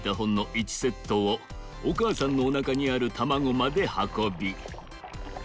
１セットをおかあさんのおなかにあるたまごまではこび